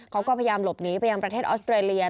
เขาก็พยายามหลบหนีไปยังประเทศออสเตรเลีย